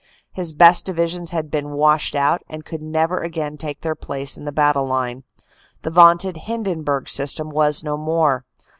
His best divisions had been "washed out" and could never again take their place in the battle line. The vaunted Hindenburg System was no more.